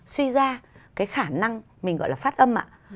suy ra cái khả năng mình gọi là phát âm ạ